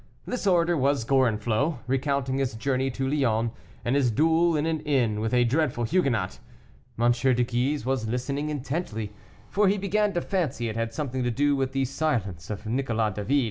This orator was Gorenflot, recounting his journey to Lyons, and his duel in an inn with a dreadful Huguenot. M. de Guise was listening intently, for he began to fancy it had something to do with the silence of Nicolas David.